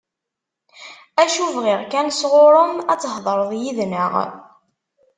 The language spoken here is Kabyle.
Acu bɣiɣ kan sɣur-m, ad thedreḍ yid-neɣ.